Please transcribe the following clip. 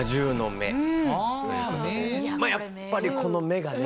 やっぱりこの目がね。